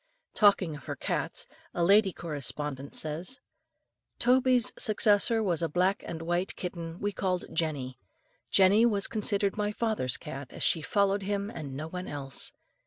Talking of her cats, a lady correspondent says: "Toby's successor was a black and white kitten we called Jenny. Jenny was considered my father's cat, as she followed him and no one else.